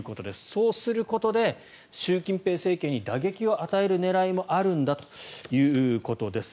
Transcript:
そうすることで習近平政権に打撃を与える狙いもあるんだということです。